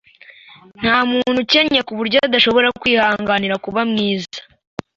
Ntamuntu ukennye kuburyo adashobora kwihanganira kuba mwiza.